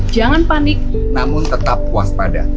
jangan panik namun tetap puas pada